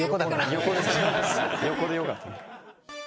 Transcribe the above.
横でよかった。